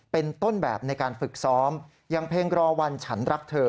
เป็นต้นแบบในการฝึกซ้อมอย่างเพลงรอวันฉันรักเธอ